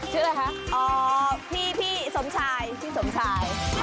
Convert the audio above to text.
ชื่ออะไรคะพี่พี่สมชายพี่สมชาย